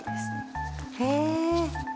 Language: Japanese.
へえ。